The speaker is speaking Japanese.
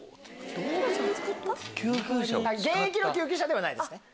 現役の救急車ではないですね。